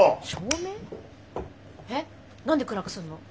えっ何で暗くするの？